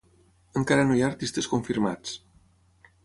Encara no hi ha artistes confirmats.